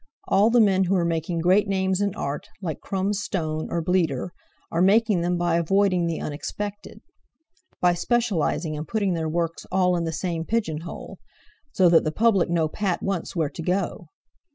All the men who are making great names in Art, like Crum Stone or Bleeder, are making them by avoiding the unexpected; by specializing and putting their works all in the same pigeon hole, so that the public know at once where to go.